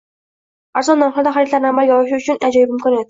Arzon narxlarda xaridlarni amalga oshirish uchun ajoyib imkoniyat